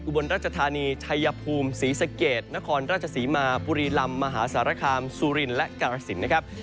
บนรัชธานีชัยภูมิศรีสะเกดนครราชศรีมาบุรีลำมหาสารคามสุรินและกาลสินนะครับ